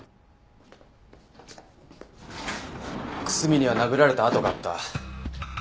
楠見には殴られた痕があった。